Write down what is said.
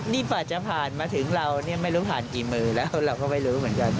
นี่กว่าจะผ่านมาถึงเราเนี่ยไม่รู้ผ่านกี่มือแล้วเราก็ไม่รู้เหมือนกัน